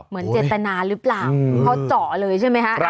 เหมือนเจตนาหรือเปล่าเขาเจาะเลยใช่ไหมคะ